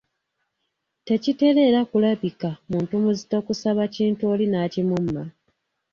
Tekitera era kulabika muntu muzito kusaba kintu oli n’akimumma.